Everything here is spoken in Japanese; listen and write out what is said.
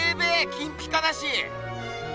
金ピカだし。